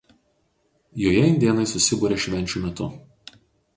Joje indėnai susiburia švenčių metu.